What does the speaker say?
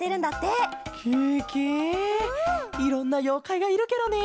ケケいろんなようかいがいるケロね！